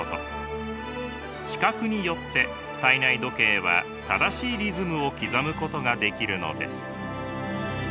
視覚によって体内時計は正しいリズムを刻むことができるのです。